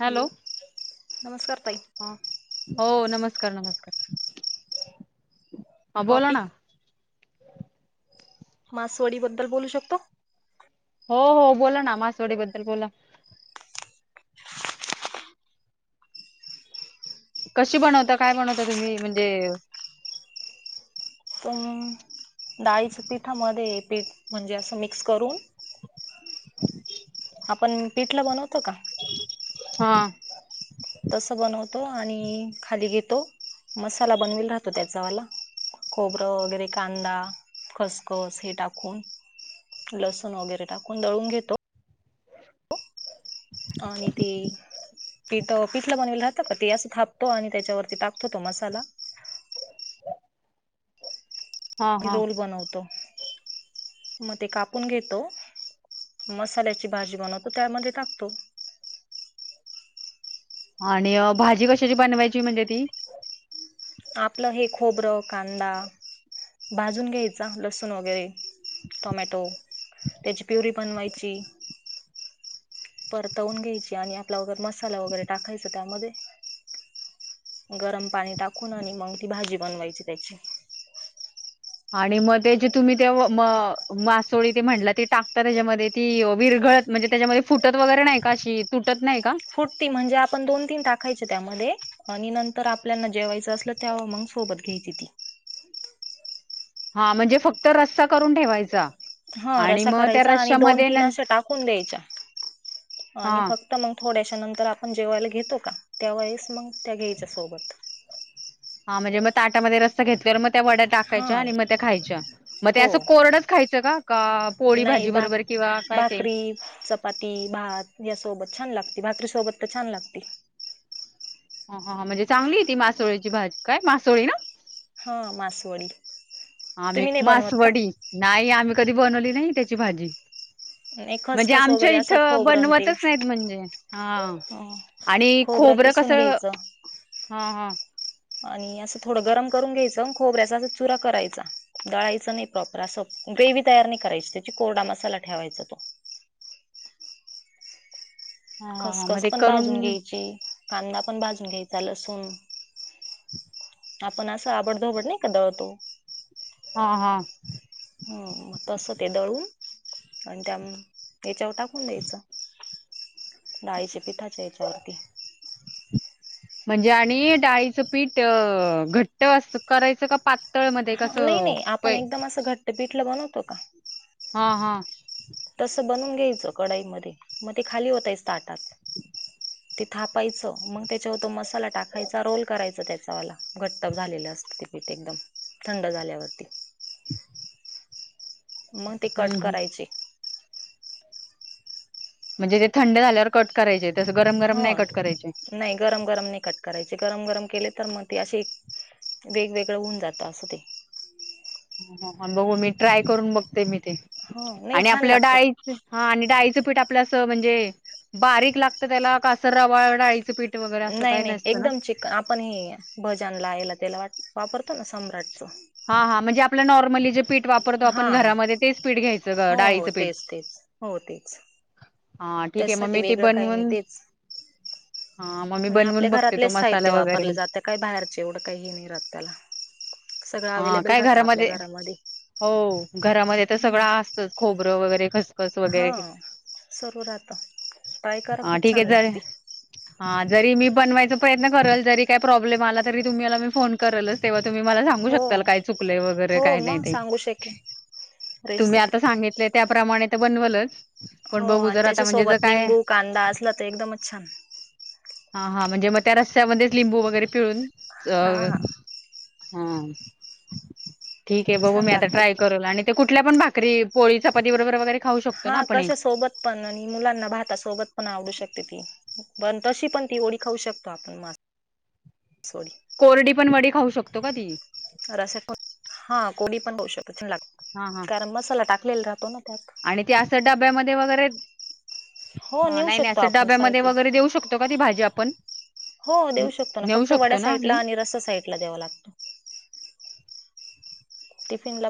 Hello नमस्कार ताई ह हो नमस्कार नमस्कार. ह बोला ना. टॉपिक मासवडी बद्दल बोलू शकतो. हो हो बोला ना मासवडी बद्दल बोला. कशी बनवता काय बनवता तुम्ही म्हणजे तर डाळीच्या पिठामध्येध्ये पीठ म्हणजे असं मिक्स करून [unintelligible] आपण पीठला बनवतो का? हा. तसं बनवतो आणि खाली घेतो मसाला बनवेल राहतो त्याचा वाला खबरं वगैरे कांदा खसखस हे टाकून लसूण वगैरे टाकून दळून घेतो. पिठ पीठलं बनवलं जातं का ते असं थापतो आणि त्याच्यावरती टाकतो तो मसाला हा म हा रोल बनवतो मग ते कापून घेतो. मसाल्याची भाजी बनवतो त्यामध्ये टाकतो. आणि भाजी कशाची बनवायची म्हणजे ती आपलं हे खोबरं कांदा भाजून घ्यायचा लसूण वगैरे टोमॅटो त्याची प्युरी बनवायची. परतवून घ्यायची आणि आपला वगैर मसाला वगैरे टाकायच त्यामध्ये गरम पाणी टाकून आणि मग ती भाजी बनवायची त्याची आणि मग ते जे तुम्ही ते मासोळी ते म्हला ते टाकता त्याच्यामध्ये ती विरग घळत म्हणजे त्याच्यामध्ये फुटत वगैरे नाही का अशी तुट फुटती म्हणजे आपण दोन तीन टाकायचे त्यामध्ये आणि नंतर आपल्या जेवायच असलं त्या्हा मग सोबत घ्यायची ती हा म्हणजे फक्त रस्ता करून ठेवायचा. ह आणि रसा मग त्या करायचा आणि दोन रश्यामध्ये तीन असे टाकून द्यायच्या हा आणि फक्त मग थोड्याश्या नंतर आपण जेव्हायला घेतो का त्या वळेस मग त्या घ्यायच्या सोबत हा म्हणजे मग ताटामध्ये रस्ता घेतलेवर म त्या वड्या टाकायच्या हा आणि मग त्या खायच्या मग त्या हो असं कोरडच खायचं का पोळी नाही भाजी भाक बरोबर. किंवा काय ते भाकरी चपाती भात यासोबत छान लागते भातरी सोबत तर छान लागते. ह म्हणजे चांगली ती मासोळीची भाजी काय मासोळी ना. हा मासुवाडी आम्ही मासवडी नाही आम्ही कधी बनवली नाही त्याची भाजी नाही म्हणजे खसखस आमच्या वगैरे असं इथं खोबरं न ते बनवतच नाहीत म्हणजे हा. अं, आणि खोबरं किसून कसं घ्यायचं हा हा. आणि असं थोडं गरम करून घ्यायचं खोबऱ्या अस अस चुरा करायचाडळायचं नाही प्रॉपर असं. ग्रेव तयार नाही करायची त्याची कोरडा मसाला ठेवायचा तो. हा हा हा खसखस मग ते पण करून बाजून घ्यायची कांदा पण बाजून घ्यायचा लसून आपण असं आवडधोबड नाही कदाळतो. हा हा. हो तस ते दळू आणि त्या याच्यावर टाकून द्यायचं डाळीचे पिठाच्या याच्यावरती म्हणजे आणि डाळीचं पीठ घट्ट अस करायचं का पा ह नाही नाही आपण एकदम असं घट्ट पिठलं बनवतो का हा हा तस बनून घ्यायचं कढाईमध्ये मग ते खाली ओतायच ताटात ते थापायचं मग त्याच्यावर तो मसाला टाकायचा रोल करायचा त्याच्यावाला घट्ट झालेला पीठ एकदम थंड झाल्यावरती मंग ते कट हम्म करायचे म्हणजे ते थंड झाल्यावर कट करायचेत हो नाही गरम गरम नाही कट कराय गरम गरम केले तर मग ते अशे वेगवेगळं होऊन जात अस ते बघू मी ट्राय करून बघते मी ते ह नाही आणि छान आपल्या लागतो डाळी हा आणि डाळी ते पीट आपल्या अस म्हणजे बारीक लागत त्याला का तर रवा डाळीचं पीट नाइ नाइ एकदम [unintelligible] पण हे भजन लायला त्याला वापरतो ना सम्राटच हा हा म्हणजे आपलं नॉर्मली जे पीट वापरतो हा आपण घरामध्ये तेच पीट घ्यायच हो हो तेच तेच हो तेच हा ठीक आहे मग त्यासाठी मी ते वेगळं काही नाही बनवून तेच हा मग मी आणि आपल्या बनवून बघते तो घरातलेच मसाला साहित्य वगैरे वापरले जात काय बाहेरचे एवढं काही नाही लागत त्याला सगळं हा अवेलेबल काय राहतं आपल्या घरामदे घरामध्ये हो घरामदे तर हम्म. सगळं आसतच खूप हा सर्व राहत ट्राय करा खूप छान लागते [unintelligible] [unintelligible] जरी मी बनवायचा प्रयत्न करल जरी काय प्रॉब्लेम आला तरी तुम्हाला मी फोन करलच तेव्हा तुम्ही मला सांगू हो शक ताल काय चुकलय वगैरे हो काय नाही मग ते सांगू शकेन तुम्ही रेसिपी आता सांगितले त्याप्रमाणे ते बनवलच पण हो बघू आणि जर आता त्याच्या म्हणजे जर सोबत काय निंबू कांदा असला तर एकदमच छान हा हा म्हणजे म त्या रस्यामदेच लिंबू वगैरे पिळून अ हा हअ [unintelligible] ठीकेय बगु छान मी आता लागते ट्राय करेल आणि ते कुठल्या पण भाकरी पोळी चपाती बरोबर वगैरे खाऊ शकतो हा ना आपण हे कशा सोबत पण आणि मुलांना भातासोबत पण आवडू शकते ती पण तशी पण ती ओडी खाऊ शकतो आपण मास कोरडी पण वडी खाऊ शकतो का ती रस्सा हा कोडी पण हो शकतो ग हा हा कारण मसाला टाकलेला राहतो ना त्यात आणि ते असं डब्यामदे वगैरे हो हा नेऊ नाइ नाइ शकतो असं आपण डब्यामदे साईडला वगैरे देऊ शकतो का ती भाजी आपण हो देऊ शकतो ना नेऊ फक्त वड्या शकतो ना साईडला ती आणि रस्ता साईडला द्यावा लाग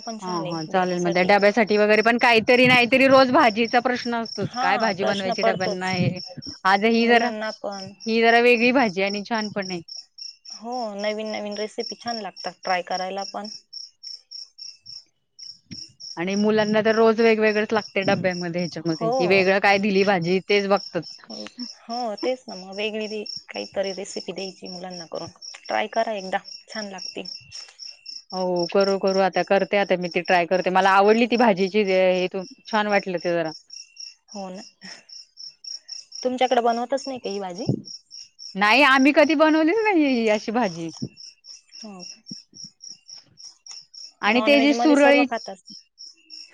पण ह छान हा आहे चालेल मग त्या देण्यासाठी डब्यासाठी वगैरे पण काहीतरी नाहीतरी रोज भाजी प्रश्न असतोच काय हा भाजी प्रश्न बनवायची डब्यांना पडतोच. आज ही जरा मुलांना पण ही जरा वेगळी भाजीय आणि छान पण ये हो नवीन नवीन रेसिपी छान लागतात ट्राय करायला पण आणि मुलांना तर रोज वेगवेगळंच लागतय डब्यामध्ये ह्याच्यामध्ये कि हो वेगळं काय दिली भाजी तेच बघतात हो तेच ना मग [unintelligible] काहितरी रेसिपी दयायची मुलांना करून ट्राय करा एकदा छान लागते होऊ करू करू आता करते आता मी ती ट्राय करते मला आवडली ती भाजीची [unintelligible] एकदम छान वाटली [unintelligible] रा हो ना तुमच्याकड बनवतच नाहि का ही भाजी नाहि आम्ही कधी बनवलीच नाही ही ही अशी भाजी [unintelligible] आणि नॉन ते व्हेज जे मध्ये सर्व सुरळी खातात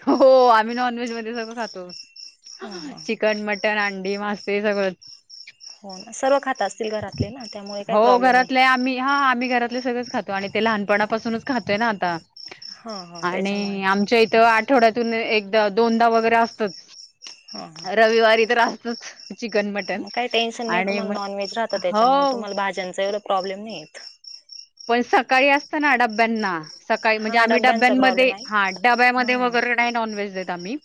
हो आम्ही नॉनव्हेज मदे [unintelligible] खातो हम् हम त्यात अंडी, मासे सगळंच हो ना सर्व खाता असतील घरातले ना त्यामुळे काही प्रॉब्लेम नाही. त्यातले सगळेच खातो आणि ते लहानपणापासूनच खातोय ना आता. हा हा त्याच्यामुळे आणि आमच्या इत आठवड्यातून एकदा दोनदा वगेरे असतच. हा हा रविवारी तर असतच. चिकन मटन मग काइ टेन्शन नाही आणि तुम्हाला मग नॉन व्हेज राहतं त्याच्यामुळे हो तुम्हाला भाज्यांच एवढ प्रॉब्लेम नाही येत. पण सकाळी असत ना डब्यांना सकाळी म्हणजे हा आम्ही डब्यांचा प्रॉब्लेम डब्यांमध्ये आहे हा हा डब्यामदे वगेरे नाही नॉनव्हेज देत आम्ही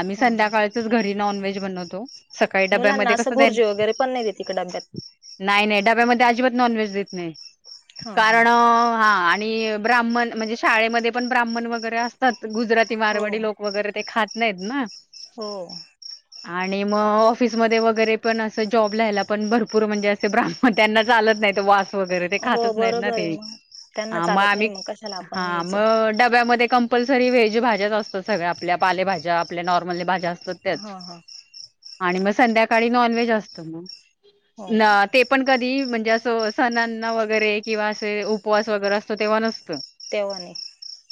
आम्ही हा हा संध्याकाळचच घरी नॉनव्हेज बनवतो. सकाळी मुलांना डब्यामध्ये कस असं जाईल भुर्जी वगैरे पण नाही देत इकडे डब्यात नाही नाही त्यात डब्यामध्ये अजिबात नॉनव्हेज देत नाही. हा हा आणि ब्राह्मण म्हणजे शाळेमध्ये पण ब्राह्मण वगैरे असतात. गुजराती, हो मारवाडी लोक वगैरे ते खात नाहीत ना. हो. आणि मग ऑफिसमध्ये वगैरे पण असं जॉब लिहायला पण भरपूर म्हणजे असे ब्राह्म त्यांना चालत वास वगैरे ते हो खातच नाहीत ना बरोबर आहे ते. मग त्यांना हा मग चालत नाही आम्ही कशाला आपण हा न्यायचं मग डब्यामध्ये कॉम्प्ल कंपल्सरी व्हेज भाज्याच असतात सगळ्या आपल्या पालेभज्या आपल्या नॉर्मल भाज्या असतात. त्याच हा हा आणि मग संध्याकाळी नॉन व्हेज असत मग. हो का ना ते पण कधी म्हणजे अस सणना वैग वगैरे किंवा असे उपवास वगैरे असतो तेव्हा नसतं. तेव्हा नाही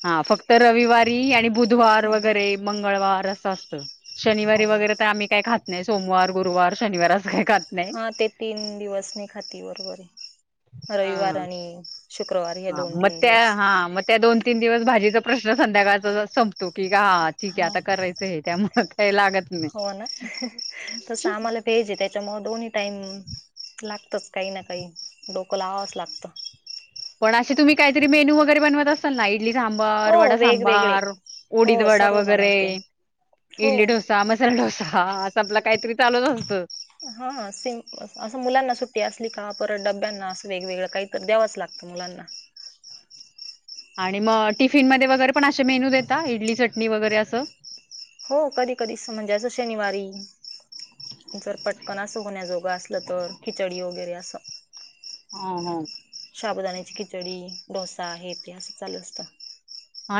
हा फक्त रविवारी आणि बुधवार वगैरे मंगळवार असं असतं. शनिवारी हो वगैरे तर आम्ही काय खात नाही सोमवार, गुरुवार, शनिार. हा ते तीन दिवस नाही खाती बरोबर आहे हा रविवार आणि. शुक्रवार हे हा दोन मग तीन त्या दिवस हा मग त्या दोन तीन दिवस भाजीचा प्रश्न संध्याकाळचा संपतो की. हा ठीक आहे आता करायचं हे त्यामुळ काय लागत नाही. हो ना तस आम्हाला ते जे त्याच्यामूळ दोन्ही टाईम लागत. तरच काही ना काही डोकं लावांवच लागतं. पण अशी तुम्ही काहीतरी मेनू वगैरे बनवत असाल ना इडली सांबार, हो वडा वेगवेगळे सांबार, हो उडीद वडा सर्व वगैरे. बनवते हो इडली डोसा, मसाला डोसा असं आपला काहीतरी चालूच असतं. हा सेम असं मुलांना सुट्टी असली का परत डब्यांना असं वेगवेगळं काही तर द्यावच लागतं मुलांना. आणि मग टिफिन मध्ये वगैरे पण असे मेनू देता इडली चटणी वगैरे असं. हो कधी कधी म्हणजेचं शनिवारी जर पटकन असं होण्याजोगं असलं तर खिचडी वगैरे असं. हा! हा! शाबूदाण्याची खिचडी, डोसा हे ते असं चालू असतं.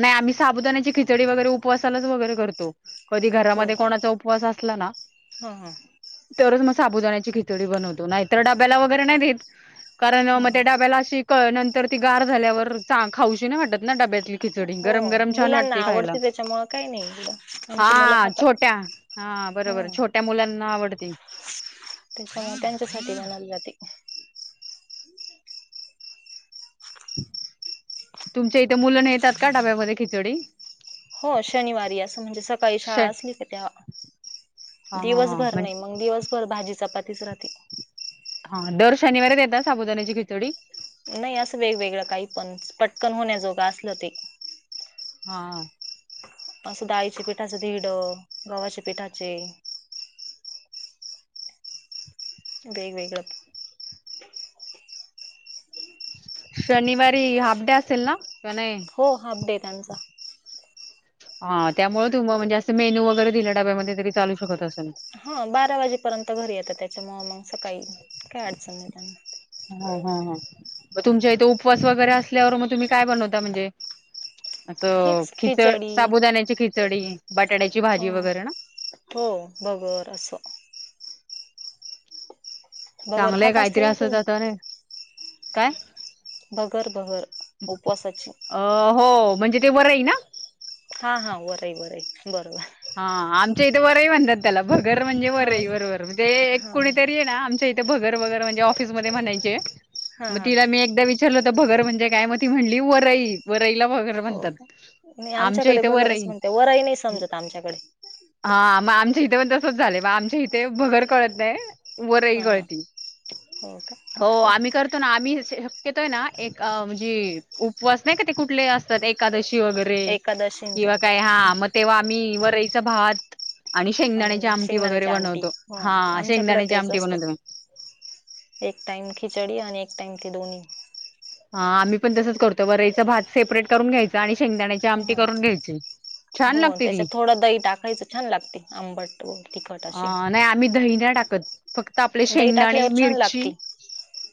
नाही आम्ही साबुदाण्याची खिचडी वगैरे उपवासालाच वगैरे करतो कधी हो घरामध्ये का? कोणाचा उपवास असे ला ना हा हा. तरच मग साबुदाण्याची खिचडी बनवतो नाही तर डब्याला वगैरे नाही देत. कारण मग त्या हा डब्याला अशी कळ नंतर ती गार झाल्यावर चां खाऊशी नाही वाटत ना डब्यातली खिचडी हो गरम गरम छान मुलांना वाटते खायला. आवडते त्याच्यामुळं काही नाही एवढं आमची मुलं हा खाता छोट्या हा बरोबर छोट्या मुलांना आवडती. ते त्यांच्यासाठी मनानं जाती. तुमच्या इथे मुलंना नेतात का डाब्यामध्ये खिचडी? हो शनिवारी असं म्हणजे सकाळी श शाळा असली का त्या हा हा हा दिवसभर म्हण नाही मग दिवसभर भाजी चपातीच राहते. हा दर शनिवारीच देता साबुदाण्याची खिचडी? नाही असं वेगवेगळं काही पण पटकन [inaudible] हा! असं डाळीच्या पिठाचं दिरड, गव्हाचे पिठाचे, वेगवेगळ, शनिवारी हाफ डे असेल ना? का नाही हो हाफ डे त्यांचा. हा त्यामुळे तुम म्हणजे असं मेन्यू वगैरे दिलं डब्यामध्ये तरी चालू शकत असन. हो बारा वाजेपर्यंत घरी येत त्या. त्यामुळे मग सकाळी काही काय अडचन नाही राहणार. म तुमच्या इथे उपवास वगैरे असल्यावर मग तुम्ही काय बनवता म्हणजे? असं हेच खिचड खिचडी साबुदाण्याची खिचडी बटाट्याची ह भाजी वगैरे ना. हो भगर असं. बगर चांगलंय खात असतील ना तुम्ही काहीतरी [unintelligible] काय भगर भगर उपवासाची. अ हो म्हणजे ते वरई ना? हा हा वरई वरई बरोबर! हा आमच्या इथे वरई म्हणतात त्याला भगर म्हणजे हा वरई बरोबर म्हणजे एक हा कुणी तरी ये ना, इथे भगर भगर म्हणजे ऑफिस मध्ये म्हणायचे हा मग मी हा तिला एकदा विचारले, भगर म्हणजे काय मग ती म्हणली वरई. वरईला भगर हो म्हणतात. का नाही आमच्या आमच्याकडे इथे बगरच वरई म्हणते वरई नाही समजत आमच्याकडे हा मग आमच्या इथे पण तसच झालं म आमच्या इथे भगर कळत नाही. वरई हा हा काळती, हो का हो आम्ही करतो ना आम्ही तिथं ना एक म्हणजे उपवास नाही का ते कुठले असतात एकादशी. वगैरे एकादशी न किंवा काय ते हा मग तेव्हा आम्ही वरईचा भात आणि शेंगदाण्याची आमटी वगैरे शेंगदाण्याची आमटी बनवतो ह हा आमच्याकडे शेंगदाण्याची तेच आमटी बनवतो मी. असतं एक टाइम खिचडी आणि एक टाइम ते दोन्ही हा, आम्ही पण तसच करतो वरईच भात सेपरेट करून घ्यायच, आणि शेंगदाण्याची आमटी हा करून घ्यायची. छान हो, लागते ती त्याच्यात थोडं दही टाकायचं छान लागते आंबट व तिखट अशी अ नाही आम्ही दही नाही फक्त आपले दही शेंगदाणे टाकल्यावर छान मिरची लागते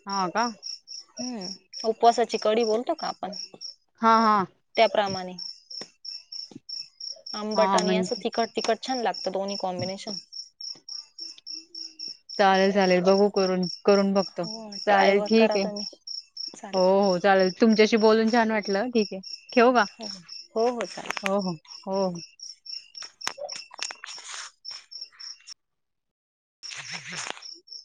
हा का? हम्म! उपवासाची कढी बोलतो का आपण हा हा त्याप्रमाणे. आंबट हा आणि म्हण असं तिखट तिखट छान लागतं दोन्ही कॉम्बिनेशन. चालेल चालेल बघू करून करून बघ, हो ट्राय चालेल ब ठीक करा आहे तुम्ही हो चालेल हो चालेल. तुमच्याशी बोलून छान वाटलं ठीक आहे ठेऊ का! हो हो हो चालेल हो हो हो.